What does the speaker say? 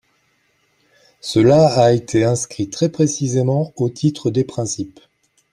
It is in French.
Cela a été inscrit très précisément au titre des principes.